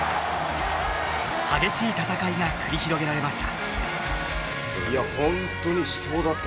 激しい闘いが繰り広げられました。